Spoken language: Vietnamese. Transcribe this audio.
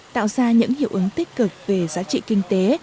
tạo ra những hiệu ứng tích cực về giá trị kinh tế